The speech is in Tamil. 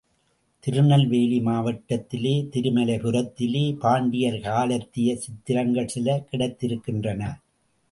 திருநெல்வேலி மாவட்டத்திலே திருமலைபுரத்திலே பாண்டியர் காலத்திய சித்திரங்கள் சில கிடைத்திருக்கின்றன.